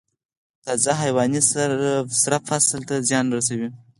تازه حیواني سره فصل ته زیان رسوي؟